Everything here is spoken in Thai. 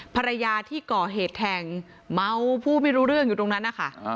ภรรยาที่ก่อเหตุแทงเมาพูดไม่รู้เรื่องอยู่ตรงนั้นนะคะ